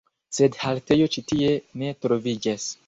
Sed haltejo ĉi tie ne troviĝas.